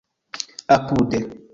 apude